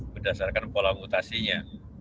berdasarkan pola mutasinya